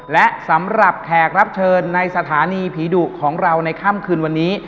และสำหรับแขกรับเชิญในสถานีผีดุของเราในค่ำคืนวันนี้